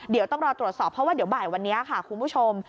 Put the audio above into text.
เดี๋ยวต้องรอตรวจสอบเพราะว่าเดี๋ยวบ่ายวันนี้ค่ะคุณผู้ชม